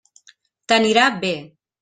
T'anirà bé.